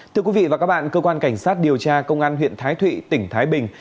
thưa quý vị và các bạn cơ quan cảnh sát điều tra công an huyện thái thụy tỉnh thái bình